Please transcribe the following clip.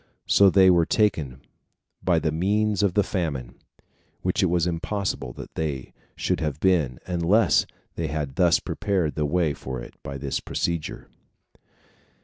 So they were taken by the means of the famine, which it was impossible they should have been, unless they had thus prepared the way for it by this procedure.